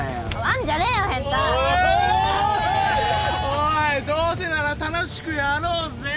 おいどうせなら楽しくやろうぜ！